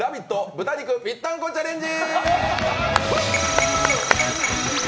豚肉ぴったんこチャレンジ！！